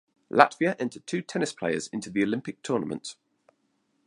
Latvia entered two tennis players into the Olympic tournament.